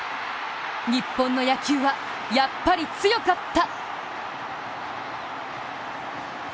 日本の野球は、やっぱり強かった。